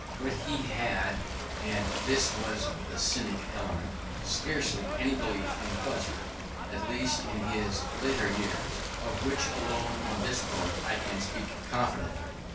But he had (and this was the Cynic element) scarcely any belief in pleasure; at least in his later years, of which alone, on this point, I can speak confidently.